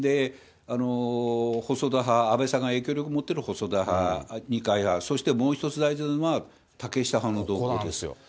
細田派、安倍さんが影響力持ってる細田派、二階派、そしてもう一つ大事なのは、竹下派の動向ですよ。